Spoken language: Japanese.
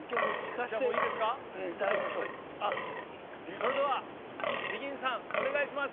それではＢＥＧＩＮさんお願いします。